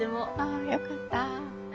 あよかった。